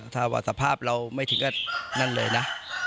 ถ้าว่าสภาพเราไม่ถึงก็นั่นเลยนะ